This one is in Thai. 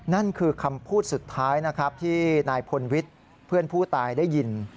นั่นคือคำพูดสุดท้ายนะครับที่นายพลวิทย์เพื่อนผู้ตายได้ยิน